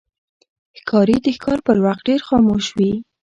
ښکاري د ښکار پر وخت ډېر خاموش وي.